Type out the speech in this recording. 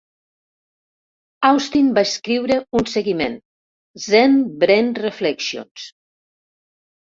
Austin va escriure un seguiment, Zen-Brain Reflections.